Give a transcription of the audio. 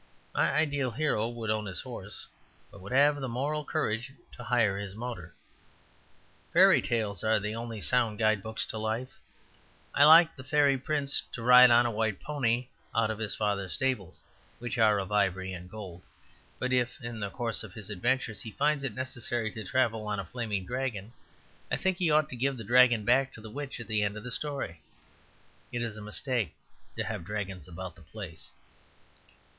My ideal hero would own his horse, but would have the moral courage to hire his motor. Fairy tales are the only sound guidebooks to life; I like the Fairy Prince to ride on a white pony out of his father's stables, which are of ivory and gold. But if in the course of his adventures he finds it necessary to travel on a flaming dragon, I think he ought to give the dragon back to the witch at the end of the story. It is a mistake to have dragons about the place.